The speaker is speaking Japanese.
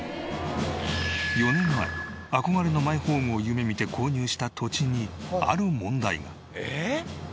４年前憧れのマイホームを夢見て購入した土地にある問題が。